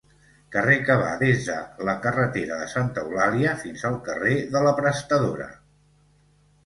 Carrer que va des de la carretera de Santa Eulàlia fins al carrer de l'Aprestadora.